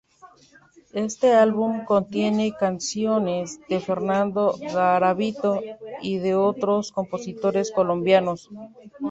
Este álbum contiene canciones de Fernando Garavito y de otros compositores colombianos.